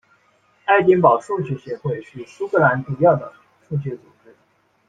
爱丁堡数学学会是苏格兰主要的数学组织。